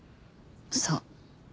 そう。